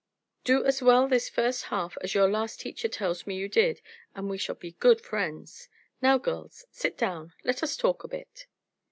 Do as well this first half as your last teacher tells me you did, and we shall be good friends. Now, girls, sit down. Let us talk a bit."